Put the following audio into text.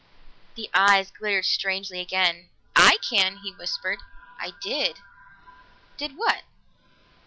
The eyes glittered strangely again. "I can!" he whispered. "I did!" "Did what?"